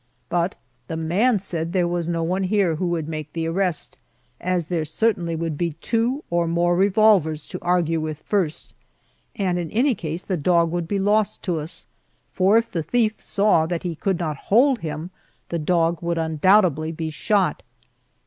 But the man said there was no one here who would make the arrest, as there certainly would be two or more revolvers to argue with first, and in any case the dog would be lost to us, for if the thief saw that he could not hold him the dog would undoubtedly be shot.